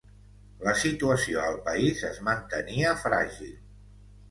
La situació al país es mantenia fràgil.